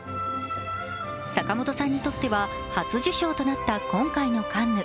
坂元さんにとっては、初受賞となった今回のカンヌ。